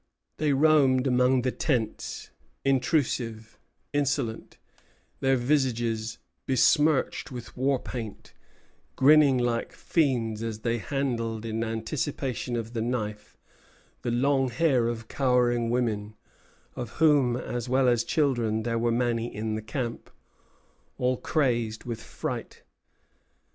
They roamed among the tents, intrusive, insolent, their visages besmirched with war paint; grinning like fiends as they handled, in anticipation of the knife, the long hair of cowering women, of whom, as well as of children, there were many in the camp, all crazed with fright.